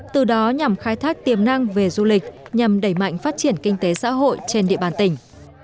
từ đó nhằm khai thác tiềm năng về du lịch nhằm đẩy mạnh phát triển kinh tế xã hội trên địa bàn tỉnh